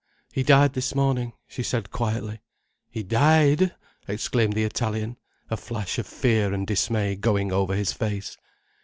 He died this morning," she said quietly. "He died!" exclaimed the Italian, a flash of fear and dismay going over his face.